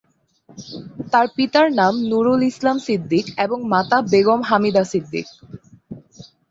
তার পিতার নাম নূরুল ইসলাম সিদ্দিক এবং মাতা বেগম হামিদা সিদ্দিক।